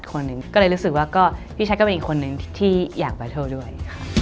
ก็เลยรู้สึกว่าพี่ชักก็เป็นคนหนึ่งที่อยากแบตเทิลด้วย